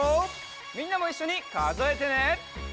みんなもいっしょにかぞえてね！